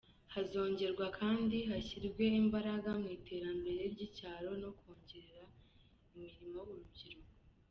Hazongerwa kandi hashyirwe imbaraga mu iterambere ry’icyaro no kongerera imirimo urubyiruko.